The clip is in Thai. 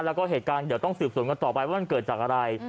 แล้วก็เหตุการณ์เดี๋ยวต้องสืบสวนกันต่อไปว่ามันเกิดจากอะไร